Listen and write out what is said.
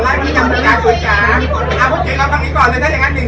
อันนี้ยืนก่อนนะถ่ายร่วมข้างจิ้งก่อนแล้วก็นาน